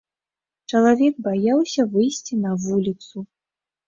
Чалавек баяўся выйсці на вуліцу.